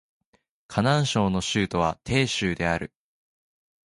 河南省の省都は鄭州である